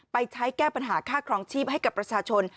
ไปใช้แก้ปัญหาค่าครองชีพให้กับประชาชน